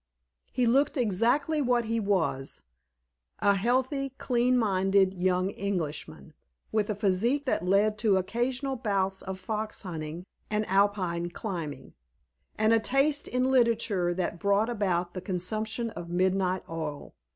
He looked exactly what he was, a healthy, clean minded young Englishman, with a physique that led to occasional bouts of fox hunting and Alpine climbing, and a taste in literature that brought about the consumption of midnight oil.